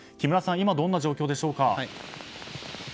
今、どのような状況でしょうか。